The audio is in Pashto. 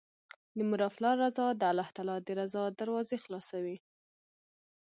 د مور او پلار رضا د الله تعالی د رضا دروازې خلاصوي